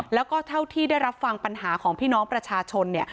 แล้วก็เท่าที่ได้รับฟังปัญหาของพี่น้องประชาชนเนี่ย